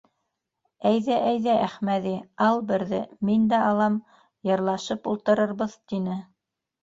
— Әйҙә, әйҙә, Әхмәҙи, ал берҙе, мин дә алам, йырлашып ултырырбыҙ, — тине.